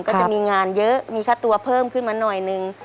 ก็จะมีงานเยอะมีค่าตัวเพิ่มขึ้นมาหน่อยนึง